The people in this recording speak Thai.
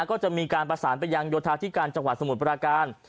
ก็จะมีการประสานไปยังโยธาธิการจังหวัดสมุทรปราการ